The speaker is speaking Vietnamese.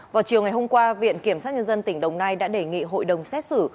vào chiều ngày hôm qua viện kiểm sát nhân dân tỉnh đồng nai đã đề nghị hội đồng xét xử